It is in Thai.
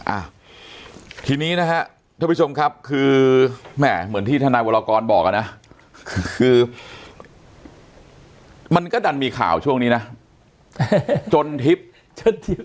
อ่ะทีนี้นะฮะท่านผู้ชมครับคือแหม่เหมือนที่ทนายวรกรบอกอ่ะนะคือมันก็ดันมีข่าวช่วงนี้นะจนทิพย์